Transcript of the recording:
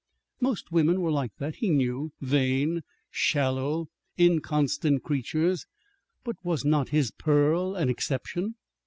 Most women were like that, he knew vain, shallow, inconstant creatures! But was not his pearl an exception?